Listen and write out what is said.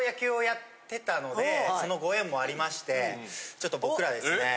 そのご縁もありましてちょっと僕らですね。